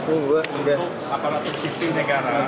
untuk aparatur sifri negara